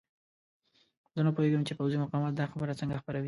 زه نه پوهېږم چې پوځي مقامات دا خبره څنګه خپروي.